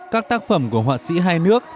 các tác phẩm của họa sĩ hai nước